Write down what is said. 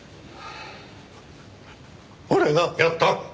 俺がやった。